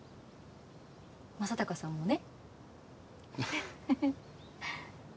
正隆さんもね！